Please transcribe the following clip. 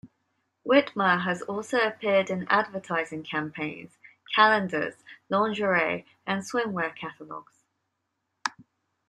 Witmer has also appeared in advertising campaigns, calendars, lingerie and swimwear catalogs.